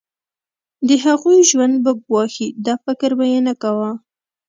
د هغوی ژوند به ګواښي دا فکر به یې نه کاوه.